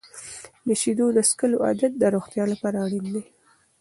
د شیدو د څښلو عادت د روغتیا لپاره اړین دی.